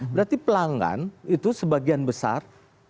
berarti pelanggan itu sebagian besar